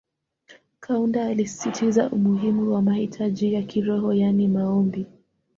Kaunda alisisitiza umuhimu wa mahitaji ya kiroho yani Maombi